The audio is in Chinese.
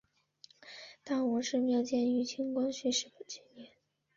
大王庙始建于清光绪十七年。